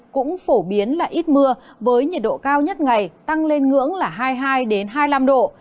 cũng phổ biến là ít mưa với nhiệt độ cao nhất ngày tăng lên ngưỡng là hai mươi hai hai mươi năm độ